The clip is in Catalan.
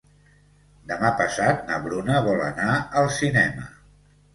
Demà passat na Bruna vol anar al cinema.